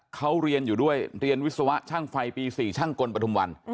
เขาเรียนอยู่ด้วยเรียนวิศวะช่างไฟปี๔ช่างกลปฐุมวัน